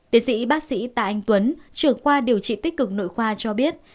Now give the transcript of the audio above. tiến sĩ bác sĩ tạ anh tuấn trưởng khoa điều trị tích cực nội khoa cho biết